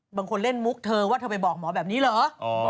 บางคนเล่นมุกเธอว่าเธอไปบอกหมอแบบนี้เหรอ